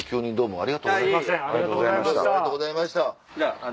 ありがとうございます！